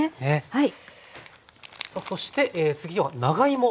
はい。